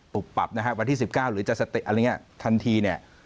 ปรุกปรับวันที่๑๙หรือจะสเต็ปอันนี้ทันที